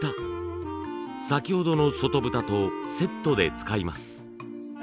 先ほどの外蓋とセットで使います。